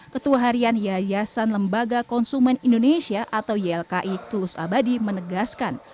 ketua harian yayasan lembaga konsumen indonesia atau ylki tulus abadi menegaskan